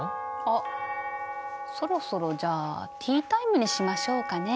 あそろそろじゃあティータイムにしましょうかね。